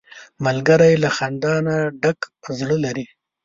ملګری له خندا نه ډک زړه لري